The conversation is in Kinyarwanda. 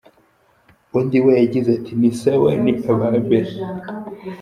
Undi we yagize ati :”ni sawa, ni abambere.